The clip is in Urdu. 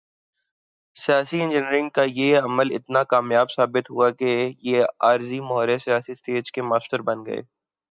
سیاسی انجینئرنگ کا یہ عمل اتنا کامیاب ثابت ہوا کہ یہ عارضی مہرے سیاسی سٹیج کے ماسٹر بن گئے۔